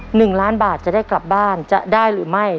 หนึ่งล้านบาทจะได้กลับบ้านจะได้หรือไม่